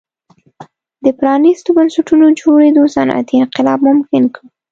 د پرانیستو بنسټونو جوړېدو صنعتي انقلاب ممکن کړ.